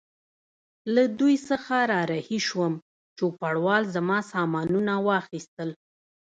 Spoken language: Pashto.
له دوی څخه را رهي شوم، چوپړوال زما سامانونه واخیستل.